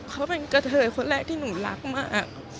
เขาเป็นกระเทยคนแรกที่หนูรักมาก